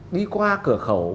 đi qua cửa khẩu